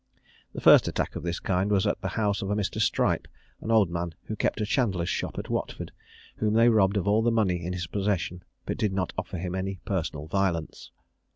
The first attack of this kind was at the house of Mr. Strype, an old man who kept a chandler's shop at Watford, whom they robbed of all the money in his possession, but did not offer him any personal violence.